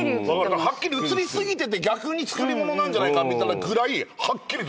はっきり写り過ぎてて逆に作り物なんじゃないかぐらいはっきり写ってる。